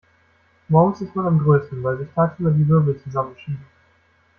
Morgens ist man am größten, weil sich tagsüber die Wirbel zusammenschieben.